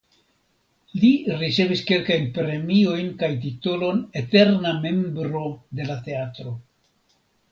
Li ricevis kelkajn premiojn kaj titolon "eterna membro de la teatro".